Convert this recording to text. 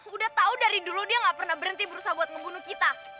udah tahu dari dulu dia gak pernah berhenti berusaha buat ngebunuh kita